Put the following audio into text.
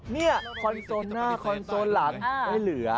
นี่คอนโซลหน้าคอนโซลหลังไม่เหลือ